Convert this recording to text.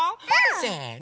せの！